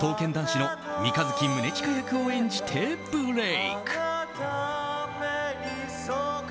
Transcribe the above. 士の三日月宗近役を演じてブレーク。